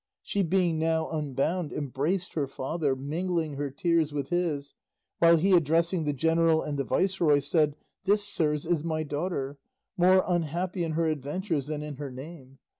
She being now unbound embraced her father, mingling her tears with his, while he addressing the general and the viceroy said, "This, sirs, is my daughter, more unhappy in her adventures than in her name.